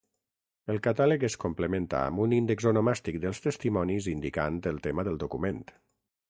El Catàleg es complementa amb un índex onomàstic dels testimonis indicant el tema del document.